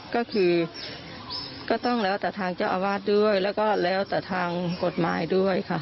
ก็คือก็ต้องแล้วแต่ทางเจ้าอาวาสด้วยแล้วก็แล้วแต่ทางกฎหมายด้วยค่ะ